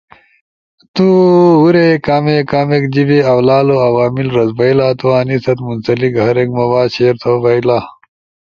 تو ہورے کامیک کامیک جیبے اؤ لالو عوامل رزبئیلا، تو انی ست منسلک ہر ایک مواد شیئر تھو بئیلا۔